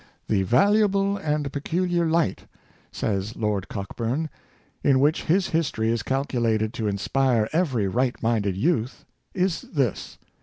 " The valuable and peculiar light," says Lord Cockburn, " in which his history is calculated to inspire every right minded youth, is this.